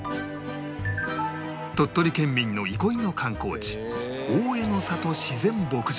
鳥取県民の憩いの観光地大江ノ郷自然牧場